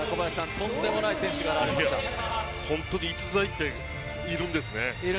とんでもない選手が本当に逸材っているんですね。